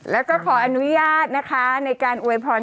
แล้วก็ขออนุญาตนะคะในการอวยพร